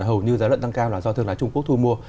hầu như giá lợn tăng cao là do thượng hải trung quốc thu mua